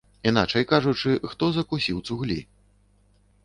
Іначай кажучы, хто закусіў цуглі.